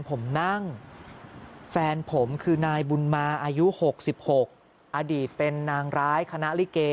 ผมนั่งแฟนผมคือนายบุญมาอายุ๖๖อดีตเป็นนางร้ายคณะลิเก